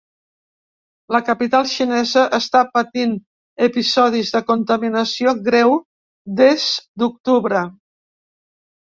La capital xinesa està patint episodis de contaminació greu des d’octubre.